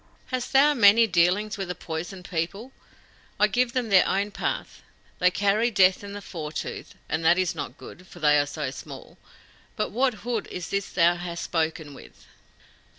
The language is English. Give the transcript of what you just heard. "Hast thou many dealings with the Poison People? I give them their own path. They carry death in the fore tooth, and that is not good for they are so small. But what hood is this thou hast spoken with?"